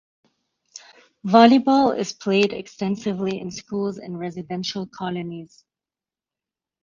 Volleyball is played extensively in schools and residential colonies.